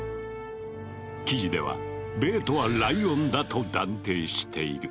記事ではベートはライオンだと断定している。